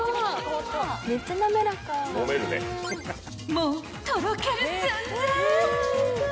［もうとろける寸前！］